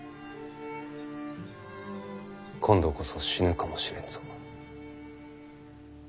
今度こそ死ぬかもしれんぞ。